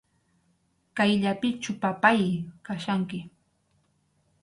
Kayllapichu, papáy, kachkanki.